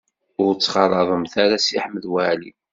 Ur ttxalaḍemt ara Si Ḥmed Waɛli.